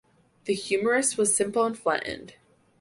The humerus was simple and flattened.